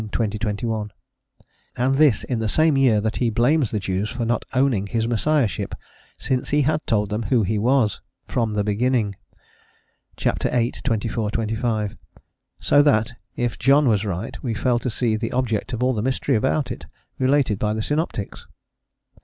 20, 21); and this in the same year that he blames the Jews for not owning this Messiahship, since he had told them who he was. "from the beginning" (ch. viii. 24, 25); so that, if "John" was right, we fail to see the object of all the mystery about it, related by the synoptics.